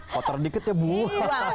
kotor dikit ya buang